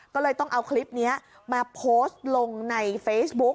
ก็เลยต้องเอาคลิปนี้มาโพสต์ลงในเฟซบุ๊ก